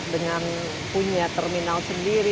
dengan punya terminal sendiri